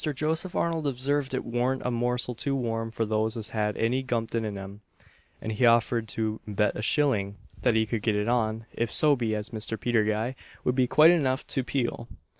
Joseph Arnold observed it warn't a morsel too warm for those as had any gumption in 'em; and he offered to bet a shilling that he could get it on, if so be as Mr. Peter Guy would be kind enough to peel.